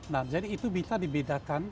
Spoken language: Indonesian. nah jadi itu bisa dibedakan